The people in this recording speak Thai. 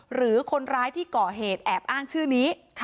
หรือคนร้ายที่ก่อเหตุแอบอ้างชื่อนี้